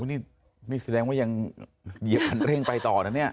นี่แสดงว่ายังเร่งไปต่อนะเนี่ย